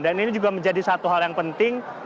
dan ini juga menjadi satu hal yang penting